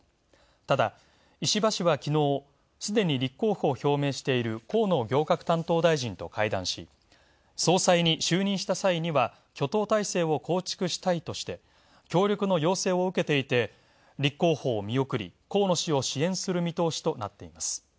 ただ石破氏はきのうすでに立候補を表明している河野行革担当大臣と会談し、総裁に就任した際には、挙党態勢を構築したいとして協力の要請を受けていて立候補を見送り、河野氏を支援する見通しとなっています。